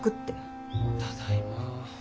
ただいま。